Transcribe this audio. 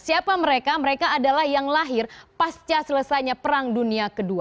siapa mereka mereka adalah yang lahir pasca selesainya perang dunia ii